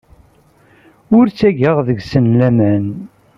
Ur ttgeɣ deg-sen laman.